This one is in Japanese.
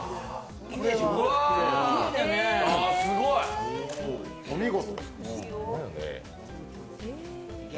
すごい、お見事。